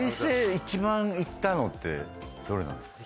一番いったのってどれなんですか？